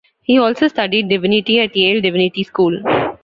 He also studied divinity at Yale Divinity School.